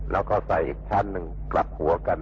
และพูดถึงวิทย์ถึงทุนปลาสติค